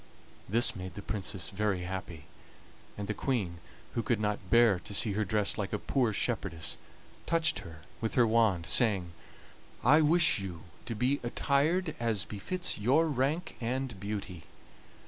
This made the Princess very happy, and the Queen, who could not bear to see her dressed like a poor shepherdess, touched her with her wand, saying: "I wish you to be attired as befits your rank and beauty."